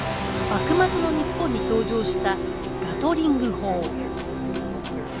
幕末の日本に登場したガトリング砲。